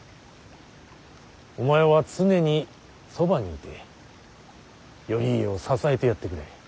お前は常にそばにいて頼家を支えてやってくれ。